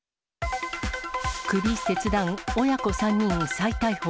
首切断、親子３人再逮捕。